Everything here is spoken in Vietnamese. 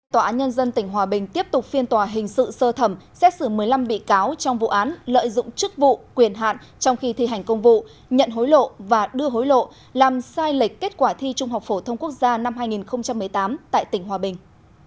tòa án nhân dân tỉnh hòa bình tiếp tục phiên tòa hình sự sơ thẩm xét xử một mươi năm bị cáo trong vụ án lợi dụng chức vụ quyền hạn trong khi thi hành công vụ nhận hối lộ và đưa hối lộ làm sai lệch kết quả thi trung học phổ thông quốc gia năm hai nghìn một mươi tám tại tỉnh hòa bình